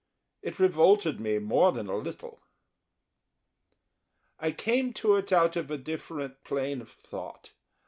It revolted me more than a little. I came to it out of a different plane of thought.